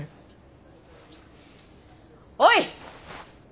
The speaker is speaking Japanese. おい！